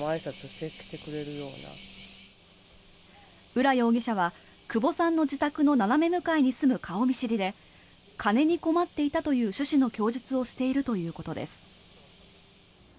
浦容疑者は久保さんの自宅の斜め向かいに住む顔見知りで金に困っていたという趣旨の供述をしているということです。